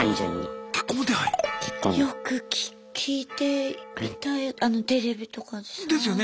よく聞いていたテレビとかでさ。ですよね。